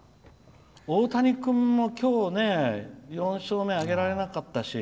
大谷君もきょう４勝目挙げられなかったし。